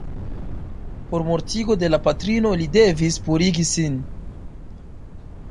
Por mortigo de la patrino li devis purigi sin.